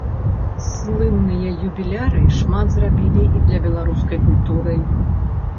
Слынныя юбіляры шмат зрабілі і для беларускай культуры.